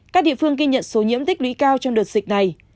các địa phương ghi nhận số nhiễm tích lũy cao trong đợt dịch này